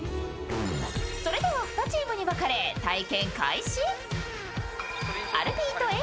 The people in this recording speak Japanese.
それでは２チームに分かれ体験開始アルピーとＡぇ！